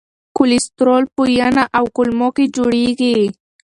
کلسترول په ینه او کولمو کې جوړېږي.